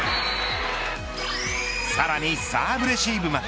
さらにサーブレシーブまで。